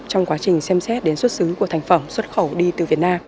trong quá trình xem xét đến xuất xứ của thành phẩm xuất khẩu đi từ việt nam